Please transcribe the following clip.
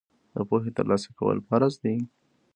د پوهې ترلاسه کول فرض دي.